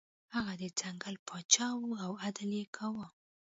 هغه د ځنګل پاچا و او عدل یې کاوه.